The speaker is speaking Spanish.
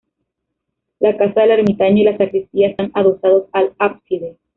La casa del ermitaño y la sacristía están adosados al ábside.